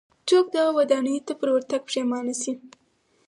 څوک دغو ودانیو ته پر ورتګ پښېمانه شي.